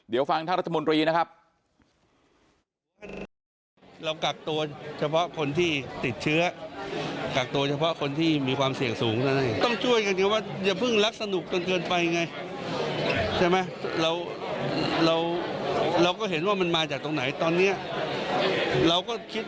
เดี๋ยวฟังท่านรัฐมนตรีนะครับ